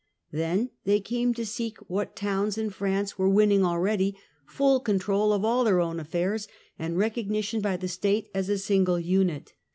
Then they came to seek, what towns in THE TOWNS. 107 France were winning already, full control of all their own affairs and recognition by the state as a single unit.